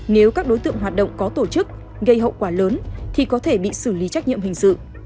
nếu các đối tượng hoạt động có tổ chức gây hậu quả lớn thì có thể bị xử lý trách nhiệm hình sự